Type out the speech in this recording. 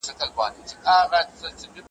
هغه حق په ژوند کي نه سی اخیستلای ,